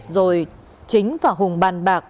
rồi chính và hùng bàn bạc